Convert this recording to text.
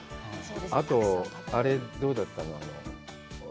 あと、あれ、どうだったの？